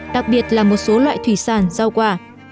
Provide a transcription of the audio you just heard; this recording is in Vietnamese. đặc biệt là một số loại thủy sản rau quả